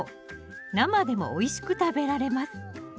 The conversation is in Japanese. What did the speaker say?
生でもおいしく食べられます。